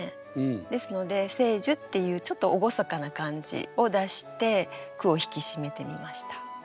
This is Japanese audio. ですので「聖樹」っていうちょっと厳かな感じを出して句を引き締めてみました。